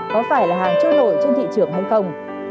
có phải là hàng trôi nổi trên thị trường hay không